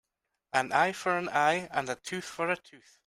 An eye for an eye and a tooth for a tooth.